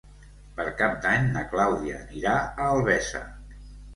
Per Cap d'Any na Clàudia anirà a Albesa.